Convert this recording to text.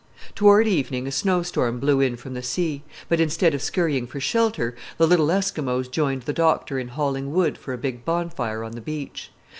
Toward evening a snow storm blew in from the sea, but instead of scurrying for shelter, the little Eskimos joined the doctor in hauling wood for a big bonfire on the beach.